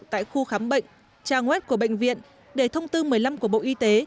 tại khu khám bệnh trang web của bệnh viện để thông tư một mươi năm của bộ y tế